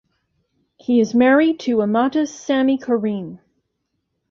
He is married to Amatus-Sami Karim.